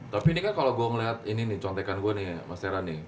tapi ini kan kalau gue ngeliat ini nih contekan gue nih mas tera nih